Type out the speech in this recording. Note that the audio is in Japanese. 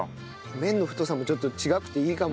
麺の太さもちょっと違くていいかも。